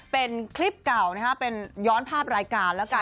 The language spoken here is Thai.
เป็นคลิปเก่านะฮะเป็นย้อนภาพรายการแล้วกัน